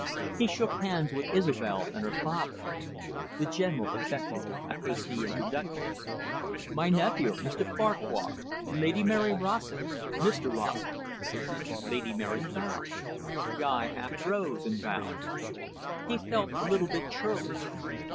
He shook hands with Isobel and her father. The General effected a hasty introduction. "My nephew, Mr Farquhar, Lady Mary Rossett, Mr Rossett." Lady Mary bowed. Guy half rose and bowed. He felt a little bit churlish.